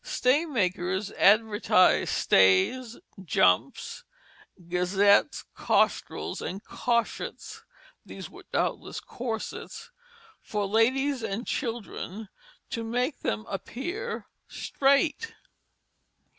Staymakers advertised stays, jumps, gazzets, costrells, and caushets (which were doubtless corsets) for ladies and children, "to make them appear strait."